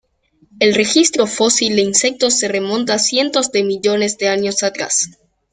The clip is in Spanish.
El registro fósil de insectos se remonta a cientos de millones de años atrás.